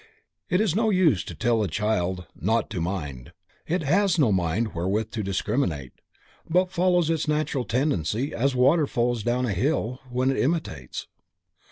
It is no use to tell the child "not to mind," it has no mind wherewith to discriminate, but follows its natural tendency, as water flows down a hill, when it imitates.